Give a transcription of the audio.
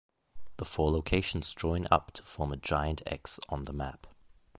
The four locations join up to form a giant X on the map.